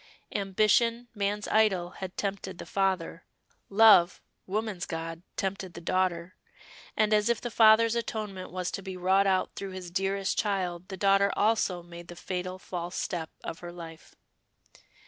Ambition, man's idol, had tempted the father; love, woman's god, tempted the daughter; and, as if the father's atonement was to be wrought out through his dearest child the daughter also made the fatal false step of her life.